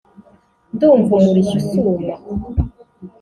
. Ndumva umurishyo usuma.